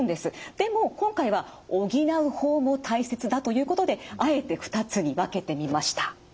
でも今回は補う方も大切だということであえて２つに分けてみました。